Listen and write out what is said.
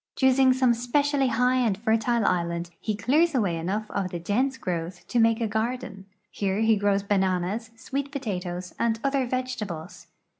Choosing some specially high and fertile island, he clears away enough of the dense growth to make a garden. Here he grows bananas, sweet potatoes, and other vegetables.